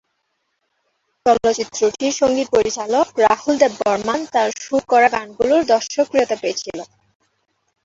চলচ্চিত্রটির সঙ্গীত পরিচালক রাহুল দেব বর্মণ, তার সুর করা গানগুলো দর্শকপ্রিয়তা পেয়েছিলো।